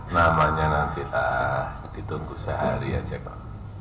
namanya nantilah ditunggu sehari saja pak